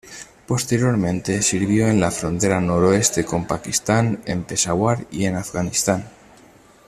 Posteriormente, sirvió en la frontera noroeste con Pakistán, en Peshawar y en Afganistán.